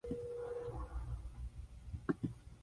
Meoni was born in Castiglion Fiorentino, Italy.